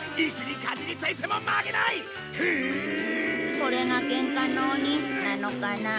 これがケンカの鬼なのかな？